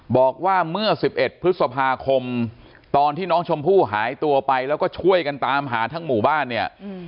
บอกว่าเมื่อ๑๑พฤษภาคมตอนที่น้องชมพู่หายตัวไปแล้วก็ช่วยกันตามหาทั้งหมู่บ้านเนี่ย